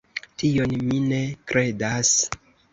Tion mi ne kredas.